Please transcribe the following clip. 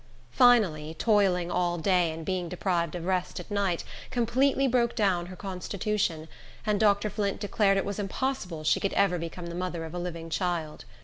Finally, toiling all day, and being deprived of rest at night, completely broke down her constitution, and Dr. Flint declared it was impossible she could ever become the mother of a living child.